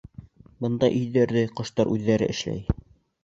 — Бындай өйҙәрҙе ҡоштар үҙҙәре эшләй.